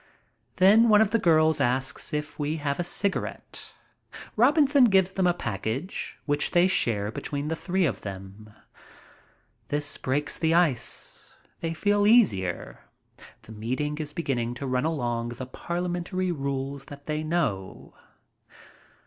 Then one of the girls asks if we have a cigarette. Robin son gives them a package, which they share between the three of them. This breaks the ice. They feel easier. The meeting is beginning to run along the parliamentary rules that they know.